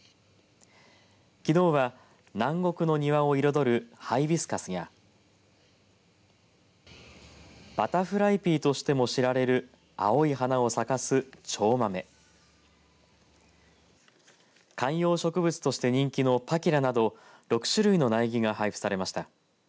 きのうは南国の庭を彩るハイビスカスやバタフライピーとしても知られる青い花を咲かすチョウマメ観葉植物として人気のパキラなど６種類の苗木が配布されました。